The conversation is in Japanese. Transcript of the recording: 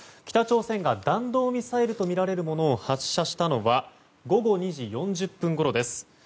北朝鮮が弾道ミサイルとみられるものを発射したのは午後２時４０分ごろです。